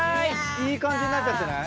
いい感じになっちゃってない？